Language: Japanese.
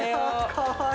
かわいい！